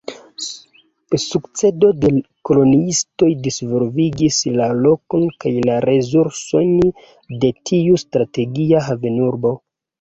Sukcedo de koloniistoj disvolvigis la lokon kaj la resursojn de tiu strategia havenurbo.